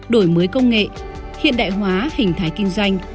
đổi mới công nghệ hiện đại hóa hình thái kinh doanh